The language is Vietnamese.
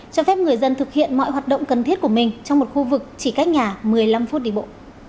cho phép người dân thực hiện mọi hoạt động cần thiết của mình trong một khu vực chỉ cách nhà một mươi năm phút đi bộ